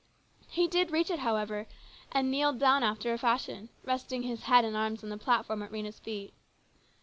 He did reach it, however, and kneeled down after a fashion, resting his head and arms on the platform at Rhena's feet.